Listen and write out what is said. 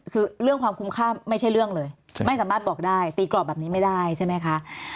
คือเรื่องความคุ้มค่าไม่ใช่เรื่องเลยไม่สามารถบอกได้ตีกรอบแบบนี้ไม่ได้ใช่ไหมคะ